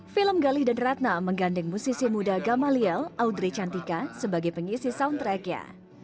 film galih dan ratna menggandeng musisi muda gamaliel audrey cantika sebagai pengisi soundtracknya